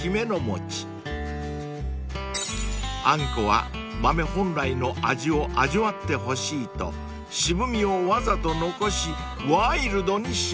［あんこは豆本来の味を味わってほしいと渋味をわざと残しワイルドに仕上げました］